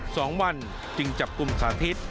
สองวันจึงจับกลุ่มสาธิต